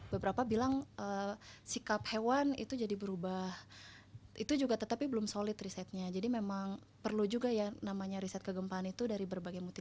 sebagai harsh facts esmakers berusaha memperbaiki kapasitas usd a